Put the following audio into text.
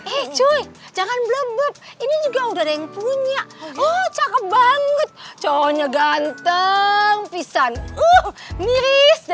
eh cuy jangan blabub ini juga udah ada yang punya oh cakep banget cowoknya ganteng pisang uh miripnya